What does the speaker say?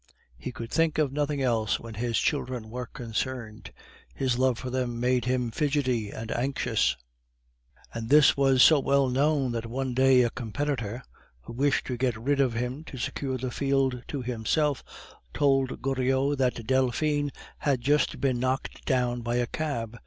He could think of nothing else when his children were concerned; his love for them made him fidgety and anxious; and this was so well known, that one day a competitor, who wished to get rid of him to secure the field to himself, told Goriot that Delphine had just been knocked down by a cab.